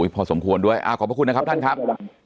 โอ้โหพอสมควรด้วยขอบคุณนะครับท่านครับ